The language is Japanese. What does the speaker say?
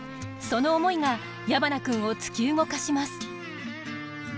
その思いが矢花君を突き動かします。